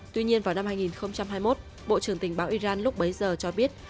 tuy nhiên vào năm hai nghìn hai mươi một bộ trưởng tình báo iran lúc bấy giờ cho biết